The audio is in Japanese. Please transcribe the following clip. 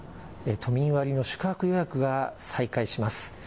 都民割の宿泊予約が再開します。